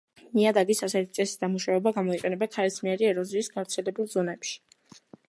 ნიადაგის ასეთი წესით დამუშავება გამოიყენება ქარისმიერი ეროზიის გავრცელებულ ზონებში.